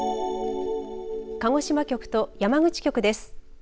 鹿児島局と山口局です。